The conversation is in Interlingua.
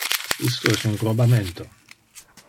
Isto es un robamento.